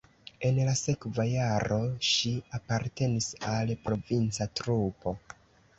En la sekva jaro ŝi apartenis al provinca trupo.